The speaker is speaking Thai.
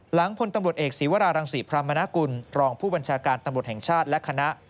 พลตำรวจเอกศีวรารังศรีพรรมนากุลรองผู้บัญชาการตำรวจแห่งชาติและคณะ